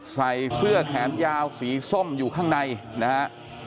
ใส่เสื้อแขนยาวสีส้มอยู่ข้างในนะฮะ